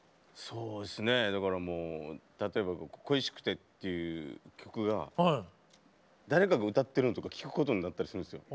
そうですねだからもう例えば「恋しくて」っていう曲は誰かが歌ってるのとかを聴くことになったりするんですよ。